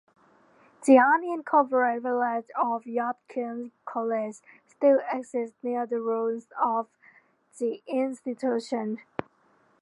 The unincorporated village of Yadkin College still exists near the ruins of the institution.